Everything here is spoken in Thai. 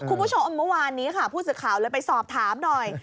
คุณผู้ชมเมื่อวานนี้ค่ะผู้สื่อข่าวเลยไปสอบถามหน่อย